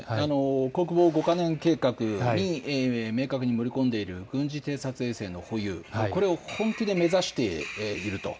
国防５か年計画に明確に盛り込んでいる軍事偵察衛星の保有、これを本気で目指していると。